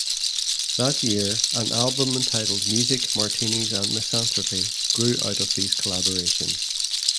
That year, an album entitled "Music, Martinis, and Misanthropy" grew out of these collaborations.